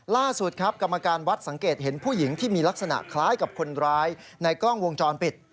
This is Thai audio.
ล่าสุดครับกรรมการวัดสังเกตเห็นผู้หญิงที่มีลักษณะคล้ายกับคนร้ายในกล้องวงจรปิด